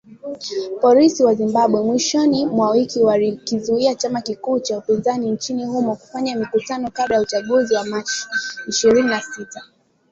Polisi wa Zimbabwe mwishoni mwa wiki walikizuia chama kikuu cha upinzani nchini humo kufanya mikutano kabla ya uchaguzi wa Machi ishirini na sita